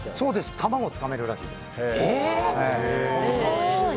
卵もつかめるらしいです。